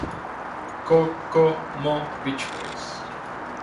Ko ko mo Beach Boys